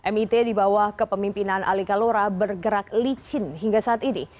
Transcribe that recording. mit di bawah kepemimpinan ali kalora bergerak licin hingga saat ini